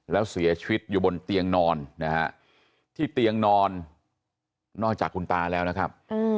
แล้วเสียชีวิตอยู่บนเตียงนอนนะฮะที่เตียงนอนนอกจากคุณตาแล้วนะครับ